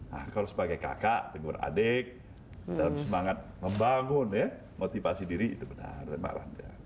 nah kalau sebagai kakak tenggur adik dalam semangat membangun ya motivasi diri itu benar